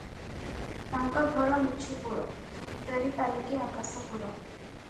ତାଙ୍କ ଘର ମିଛୁପୁର, ଜମିଦାରୀ ତାଲୁକେ ଆକାଶପୁର ।